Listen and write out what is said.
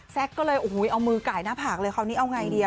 ก็เลยโอ้โหเอามือไก่หน้าผากเลยคราวนี้เอาไงดี